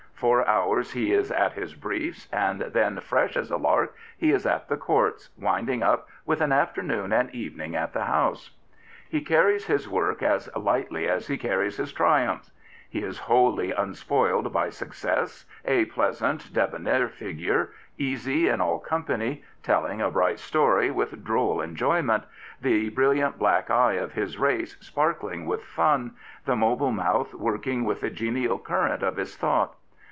Four hours he is at his briefs, and then, fresh as a lark, he is at the Courts, winding up with an kfternoon and evening at the House." He carries his work as lightly as he carries his triumphs. He is wholly unspoiled by success, a pleasant, debonair figure, easy in all company, telling a bright story with droU enjo3mient, the brilliant black eye of his race sparkling with fun, the mobile mouth working with the genial current of his thought.